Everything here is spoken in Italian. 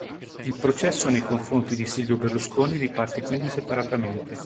Il processo nei confronti di Silvio Berlusconi riparte quindi separatamente.